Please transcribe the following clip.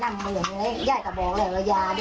อ่านี่ฮะทุกผู้ชมครับ